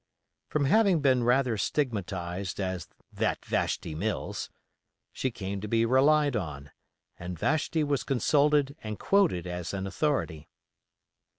From having been rather stigmatized as "that Vashti Mills", she came to be relied on, and "Vashti" was consulted and quoted as an authority.